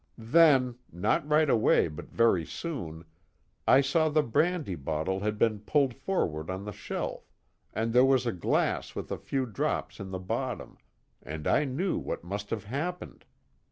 Then not right away but very soon I saw the brandy bottle had been pulled forward on the shelf, and there was a glass with a few drops in the bottom, and I knew what must have happened.